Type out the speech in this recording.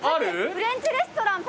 フレンチレストラン。